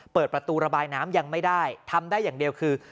เปิดประตูระบายน้ำยังไม่ได้ทำได้อย่างเดียวคือ